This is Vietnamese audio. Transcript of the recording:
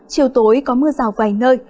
chiều tối có mưa rào vài nơi